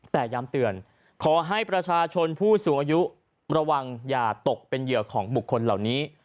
แต่ย้ำเตือนขอให้ประชาชนผู้สูงอายุระวังอย่าตกเป็นเหยื่อของบุคคลเหล่านี้